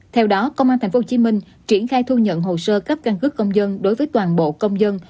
theo đó công an tp hcm triển khai thu nhận hồ sơ cấp căn cước công dân đối với toàn bộ công dân